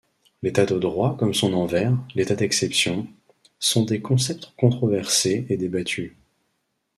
L'État de droit comme son envers, l'état d'exception, sont des concepts controversés et débattus..